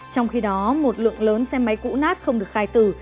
trong khi đó một lượng lớn xe máy cũ nát không được khai tử